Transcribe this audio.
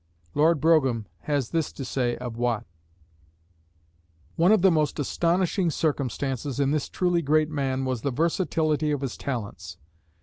Lord Brougham has this to say of Watt: One of the most astonishing circumstances in this truly great man was the versatility of his talents.